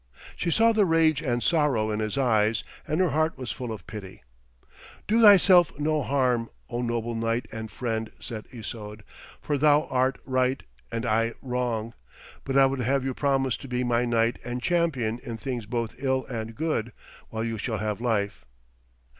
She saw the rage and sorrow in his eyes, and her heart was full of pity. 'Do thyself no harm, O noble knight and friend,' said Isoude, 'for thou art right, and I wrong. But I would have you promise to be my knight and champion in things both ill and good, while you shall have life.'